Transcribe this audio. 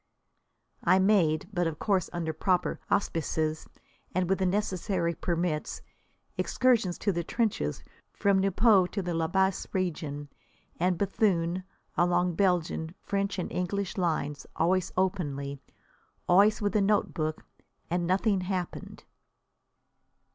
I made, but of course under proper auspices and with the necessary permits, excursions to the trenches from Nieuport to the La Bassée region and Béthune, along Belgian, French and English lines, always openly, always with a notebook. And nothing happened!